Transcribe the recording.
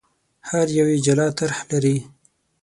هر یو یې جلا طرح لري.